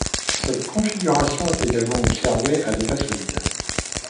Cette configuration est également observée à l'état solide.